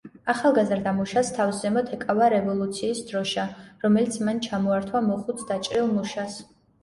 ახალგაზრდა მუშას თავს ზემოთ ეკავა რევოლუციის დროშა, რომელიც მან ჩამოართვა მოხუც დაჭრილ მუშას.